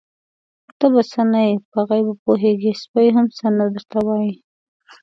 _ته بې څه نه يې، په غيبو پوهېږې، سپی هم څه نه درته وايي.